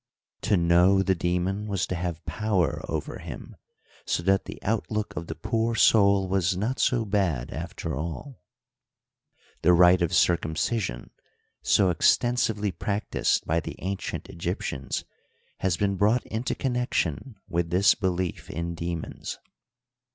To know the demon was to have power over him, so that the outlook of the poor soul was not so bad, after all. The rite of circumcision, so exten sively practiced by the ancient Egyptians, has been brought into connection with this belief in .demons.